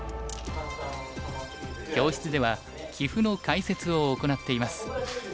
教室では棋譜の解説を行っています。